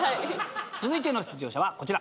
続いての出場者はこちら。